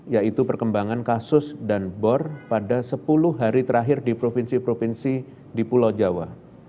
yaitu perkembangan kasus dan bor pada sepuluh hari terakhir di provinsi provinsi di pulau jawa